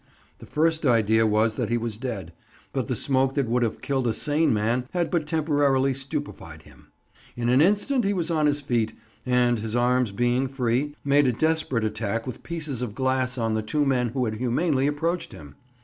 The first idea was that he was dead, but the smoke that would have killed a sane man had but temporarily stupefied him. In an instant he was on his feet, and, his arms being free, made a desperate attack with pieces of glass on the two men who had humanely approached him.